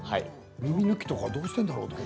耳抜きとかどうしているんだろう。